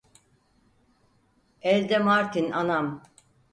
Elde martin anam.